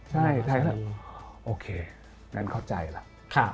ใช่ท่านโอเคงั้นเข้าใจแล้ว